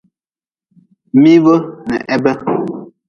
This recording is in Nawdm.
Miibe n hebe.